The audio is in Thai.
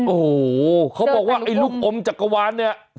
โอ้โหเค้าบอกว่าไอ้ลูกอมจักรวานเนี่ยเจอแต่ลูกปุ่ม